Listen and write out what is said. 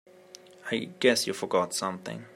I guess you forgot something.